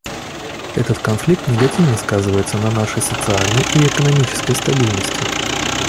Этот конфликт негативно сказывается на нашей социальной и экономической стабильности.